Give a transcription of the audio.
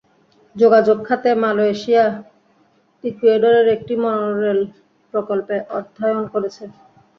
যোগাযোগ খাতে, মালয়েশিয়া, ইকুয়েডরের একটি মনোরেল প্রকল্পে অর্থায়ন করেছে।